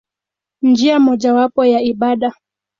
Njia mojawapo ya ibada.